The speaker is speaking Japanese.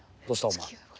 お前。